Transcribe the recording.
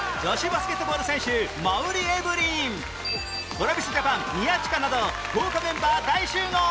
ＴｒａｖｉｓＪａｐａｎ 宮近など豪華メンバー大集合！